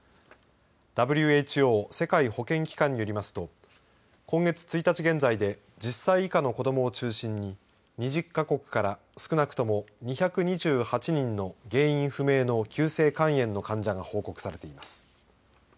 ＷＨＯ＝世界保健機関によりますと今月１日現在で１０歳以下の子どもを中心に２０か国から少なくとも２２８人の原因不明の急性肝炎の患者が報告されています。